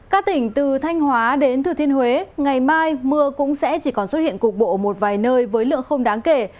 các tỉnh từ thanh hóa đến thừa thiên huế ngày mai mưa cũng sẽ chỉ còn xuất hiện cục bộ một vài nơi với lượng không đáng kể